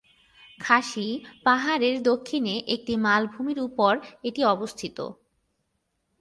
খাসি পাহাড়ের দক্ষিণে একটি মালভূমির উপর এটি অবস্থিত।